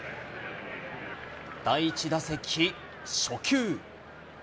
第１打席、初球。